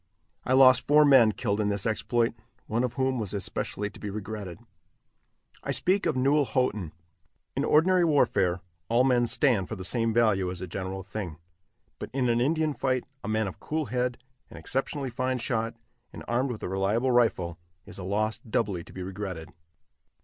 I lost four men killed in this exploit, one of whom was especially to be regretted. I speak of Newell Houghton. In ordinary warfare, all men stand for the same value as a general thing; but in an Indian fight, a man of cool head, an exceptionally fine shot, and armed with a reliable rifle, is a loss doubly to be regretted.